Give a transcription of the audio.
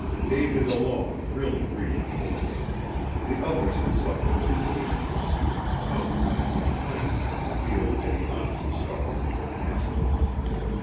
David alone really grieved for her; the others had suffered too keenly from Susan's tongue and complaints to feel any honest sorrow in her passing.